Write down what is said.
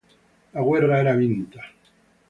La guerra era vinta.